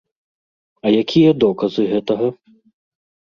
А якія доказы гэтага?